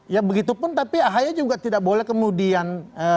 ya begitu pun tapi ahi juga tidak boleh kemudian